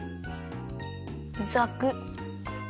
ざくっ！